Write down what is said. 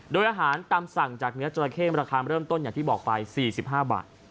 โดยอาหารตามสั่งจากเนื้อจราเข้ราคาเริ่มต้นอย่างที่บอกไป๔๕บาท